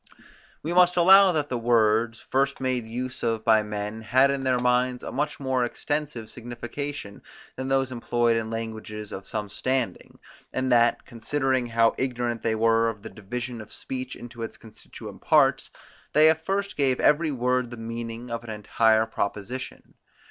We must allow that the words, first made use of by men, had in their minds a much more extensive signification, than those employed in languages of some standing, and that, considering how ignorant they were of the division of speech into its constituent parts; they at first gave every word the meaning of an entire proposition.